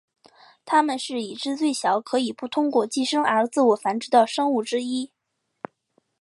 它们是已知最小的可以不通过寄生而自我繁殖的生物之一。